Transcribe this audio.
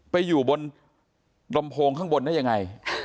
ไปอยู่บนลำโพงข้างบนได้ยังไง